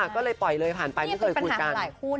ก็เลยปล่อยเลยผ่านไปไม่เคยคุยกัน